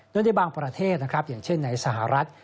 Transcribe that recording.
โดยในบางประเทศนะครับอย่างเช่นในสหรัฐ